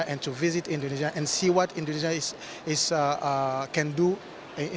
dan melawat indonesia dan melihat apa indonesia boleh lakukan di dunia